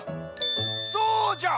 そうじゃ！